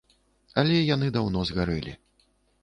Але яны даўно згарэлі.